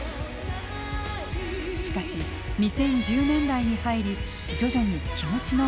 しかし２０１０年代に入り徐々に気持ちの変化が訪れます。